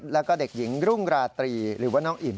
แล้วก็เด็กหญิงรุ่งราตรีหรือว่าน้องอิน